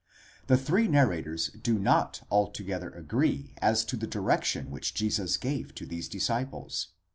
The three narrators do not altogether agree as to the directions which Jesus gave to these disciples.